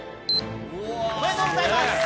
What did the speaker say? おめでとうございます！